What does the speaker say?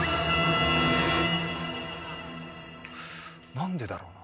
なんでだろうな。